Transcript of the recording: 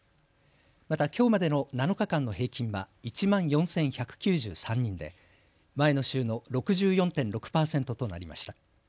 また、きょうまでの７日間の平均は１万４１９３人で前の週の６４．６％となりました。